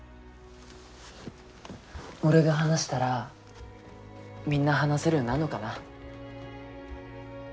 俺が話したらみんな話せるようになんのかな。